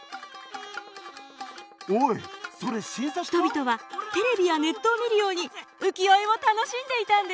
人々はテレビやネットを見るように浮世絵を楽しんでいたんです。